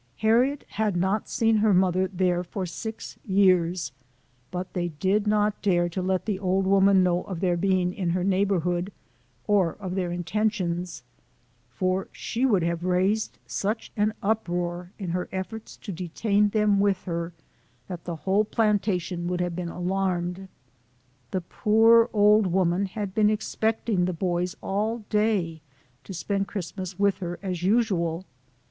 Harriet had not seen her mother there for six years, but they did not' dare to let the old woman know of their being in her neighborhood, or of their intentions, for she would have raised such an uproar in her eiforts to detain them with her, that the whole plantation would have been alarmed. The poor old woman had been expect ing the boys all day, to spend Christinas with her as usual.